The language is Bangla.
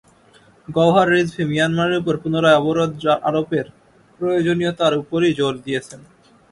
গওহর রিজভী মিয়ানমারের ওপর পুনরায় অবরোধ আরোপের প্রয়োজনীয়তার ওপরই জোর দিয়েছেন।